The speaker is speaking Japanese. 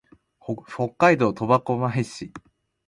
北海道苫小牧市